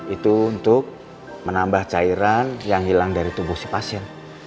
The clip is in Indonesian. itu untuk menambah cairan yang hilang dari tubuh si pasien